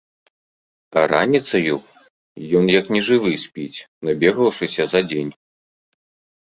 А раніцаю ён як нежывы спіць, набегаўшыся за дзень.